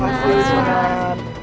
terima kasih tuhan